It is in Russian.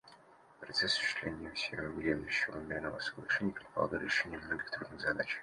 Процесс осуществления Всеобъемлющего мирного соглашения предполагал решение многих трудных задач.